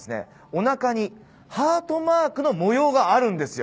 おなかにハートマークの模様があるんですよ。